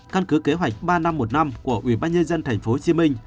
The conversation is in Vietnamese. căn cứ kế hoạch ba năm một năm của ubnd tp hcm